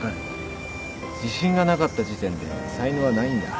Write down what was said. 自信がなかった時点で才能はないんだ。